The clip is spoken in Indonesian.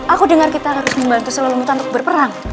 aku dengar kita harus membantu selalu mutan untuk berperang